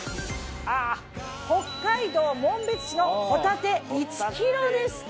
北海道紋別市のホタテ１ｋｇでした！